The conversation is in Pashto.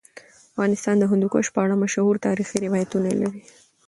افغانستان د هندوکش په اړه مشهور تاریخی روایتونه لري.